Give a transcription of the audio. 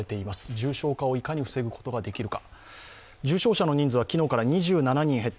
重症化をいかに防ぐことができるか。